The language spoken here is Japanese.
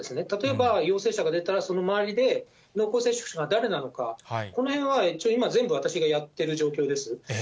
例えば、陽性者が出たらその周りで濃厚接触者が誰なのか、このへんは、今、全部私がやってる状況です。